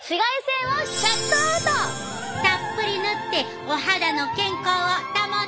たっぷり塗ってお肌の健康を保ってや！